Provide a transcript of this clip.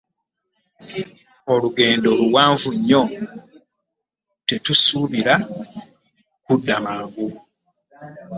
Olugendo luwanvu nnyo totusuubira kudda mangu.